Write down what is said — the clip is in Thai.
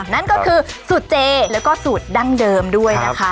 นั่นก็คือสูตรเจแล้วก็สูตรดั้งเดิมด้วยนะคะ